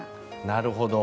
なるほど。